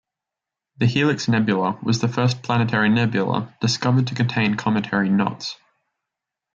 The Helix Nebula was the first planetary nebula discovered to contain cometary knots.